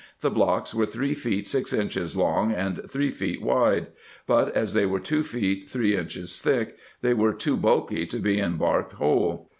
The blocks were three feet six inches long, and three feet wide : but as they were two feet three inches thick, they were too bulky to be embarked whole.